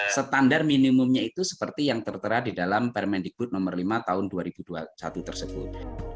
standar minimum yaitu yang tertera di dalam permendikbut nomor lima tahun dua ribu dua puluh satu tersebut